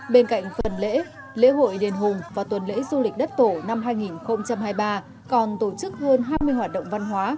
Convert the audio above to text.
bên cạnh phần lễ lễ hội đền hùng và tuần lễ du lịch đất tổ năm hai nghìn hai mươi ba còn tổ chức hơn hai mươi hoạt động văn hóa